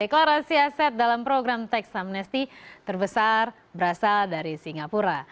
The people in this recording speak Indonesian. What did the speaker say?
deklarasi aset dalam program teks amnesty terbesar berasal dari singapura